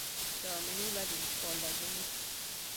There are many legends or legends.